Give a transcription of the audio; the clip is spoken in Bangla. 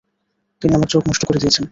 তিনি আমার চোখ নষ্ট করে দিয়েছেন।